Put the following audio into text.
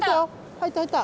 入った入った！